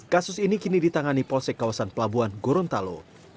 kasus ini kini ditangani polsek kawasan pelabuhan gorontalo